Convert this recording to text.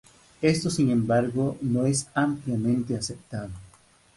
Esto, sin embargo, no es ampliamente aceptado.